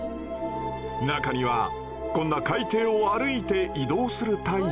中にはこんな海底を歩いて移動するタイプも。